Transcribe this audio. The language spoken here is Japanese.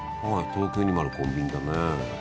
東京にもあるコンビニだね。